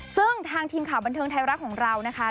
ซึ่งทางทีมข่าวบันเทิงไทยรัฐของเรานะคะ